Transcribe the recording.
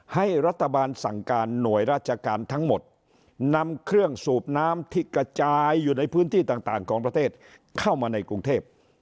ให้รัฐบาลสั่งการหน่วยราชการทั้งหมดนำเครื่องสูบน้ำที่กระจายอยู่ในพื้นที่ต่างของประเทศเข้ามาในกรุงเทพ